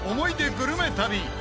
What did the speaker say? グルメ旅。